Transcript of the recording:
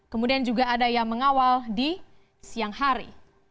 kemudian juga ada yang mengawal di siang hari